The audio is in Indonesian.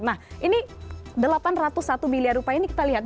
nah ini delapan ratus satu miliar rupiah ini kita lihat